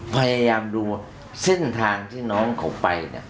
พยายามดูเส้นทางที่น้องเขาไปเนี่ย